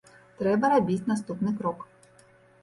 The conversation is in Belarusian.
Трэба рабіць наступны крок.